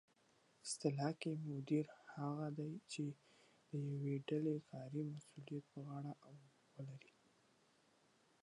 اصطلاح کې مدیر هغه دی چې د یوې ډلې کاري مسؤلیت په غاړه ولري